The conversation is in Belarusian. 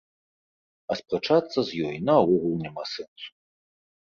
А спрачацца з ёй наогул няма сэнсу.